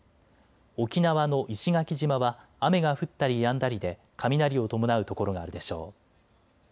沖縄の石垣島は雨が降ったりやんだりで雷を伴う所があるでしょう。